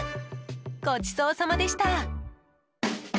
ごちそうさまでした！